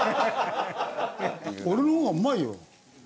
俺の方がうまいよ。